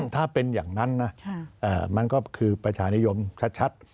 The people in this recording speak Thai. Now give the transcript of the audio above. ถ้าเป็นอย่างนั้นนะมันก็คือประชานิยมชัด